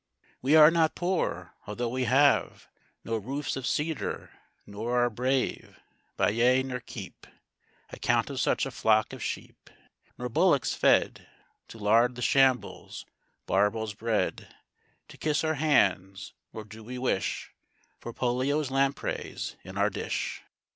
We are not poor, although we have No roofs of cedar, nor our brave Baiae, nor keep Account of such a flock of sheep; Nor bullocks fed To lard the shambles; barbels bred To kiss our hands; nor do we wish For Pollio's lampreys in our dish.